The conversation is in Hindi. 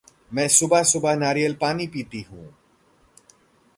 मैं सुबह-सुबह नारियल-पानी पीती हूँ।